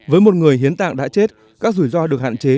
với một người hiến tạng đã chết các rủi ro được hạn chế